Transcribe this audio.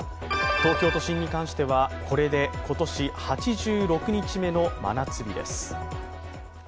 東京都心に関してはこれで今年８６日目の真夏日です。